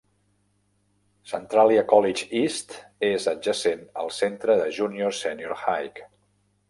Centralia College East és adjacent al centre de Junior-Senior High.